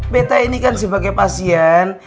peta ini kan sebagai pasien